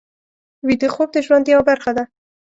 ویده خوب د ژوند یوه برخه ده